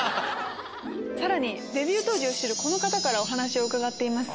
さらにデビュー当時を知るこの方からお話を伺っています。